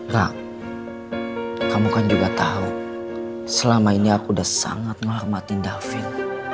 rak kamu kan juga tahu selama ini aku udah sangat menghormatin david